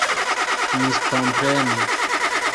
miskompreno